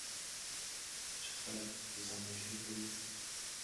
چې خلک ځانوژنې کوي.